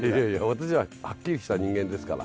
私ははっきりした人間ですから。